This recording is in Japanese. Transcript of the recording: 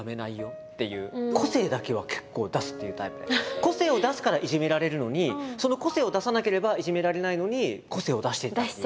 個性を出すからいじめられるのにその個性を出さなければいじめられないのに個性を出していたっていう子でした。